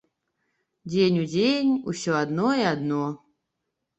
Дзень у дзень усё адно і адно.